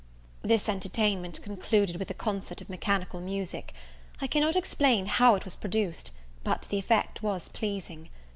This entertainment concluded with a concert of mechanical music: I cannot explain how it was produced, but the effect was pleasing.